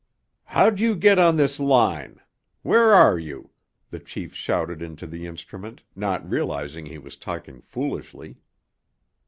"How'd you get on this line? Where are you?" the chief shouted into the instrument, not realizing he was talking foolishly.